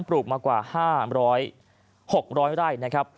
ปลูกมากว่า๕๐๐๖๐๐ไร่นะครับ